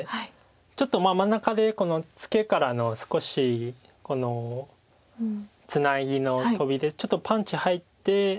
ちょっと真ん中でこのツケからの少しツナギのトビでちょっとパンチ入って。